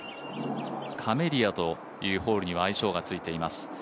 カメリアというホールには愛称がついています。